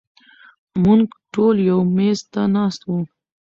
مونږ ټول يو مېز ته ناست وو